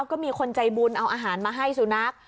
ก็มีคนใจบุญเอาอาหารมาให้สุนัข